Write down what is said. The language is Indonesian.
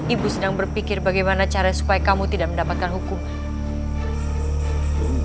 ibu sedang berpikir bagaimana cara supaya kamu tidak mendapatkan hukuman